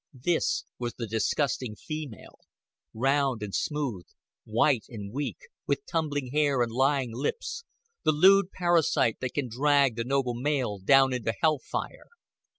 This was the disgusting female, round and smooth, white and weak, with tumbling hair and lying lips, the lewd parasite that can drag the noble male down into hell fire.